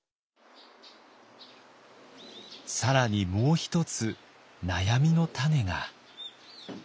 更にもう一つ悩みの種が。